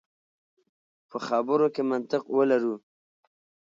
په خبرو کې منطق ولرو.